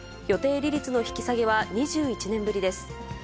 予定利率の引き下げは２１年ぶりです。